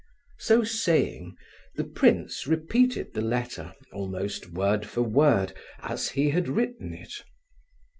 So saying, the prince repeated the letter almost word for word, as he had written it.